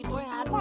itu bar bris tu